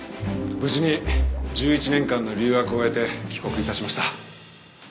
無事に１１年間の留学を終えて帰国致しました。